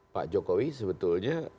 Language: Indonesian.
pak jokowi sebetulnya